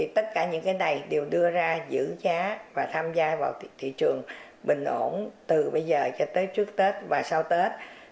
tất cả những này đều đưa ra giữ giá và tham gia vào thị trường bình ổn từ bây giờ cho tới trước tết và sau tết